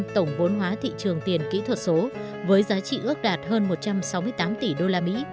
trong các thị trường tiền kỹ thuật số với giá trị ước đạt hơn một trăm sáu mươi tám tỷ đô la mỹ